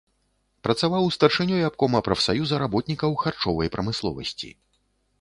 Працаваў старшынёй абкома прафсаюза работнікаў харчовай прамысловасці.